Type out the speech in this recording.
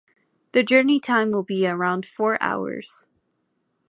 The journey time will be around four hours.